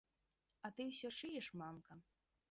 А ты ўсё шыеш, мамка?!